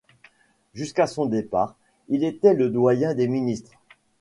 Jusqu'à son départ, il était le doyen des ministres.